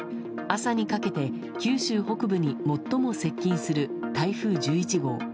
朝にかけて九州北部に最も接近する台風１１号。